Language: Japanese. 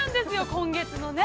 今月のね。